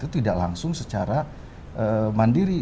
itu tidak langsung secara mandiri